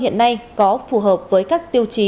hiện nay có phù hợp với các tiêu chí